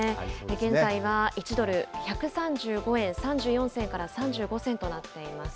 現在は１ドル１３５円３４銭から３５銭となっています。